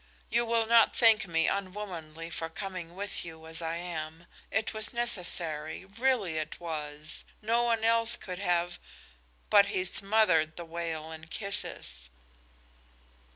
You will not think me unwomanly for coming with you as I am. It was necessary really it was! No one else could have " But he smothered the wail in kisses.